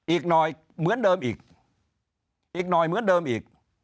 อีกหน่อยเหมือนเดิมอีก